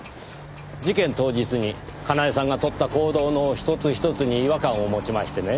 事件当日にかなえさんがとった行動の一つ一つに違和感を持ちましてね。